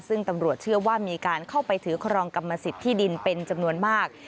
ซึ่งตำรวจเชื่อว่ามีการเข้าไปถือครองกรรมสิทธิดินเป็นจำนวนมาก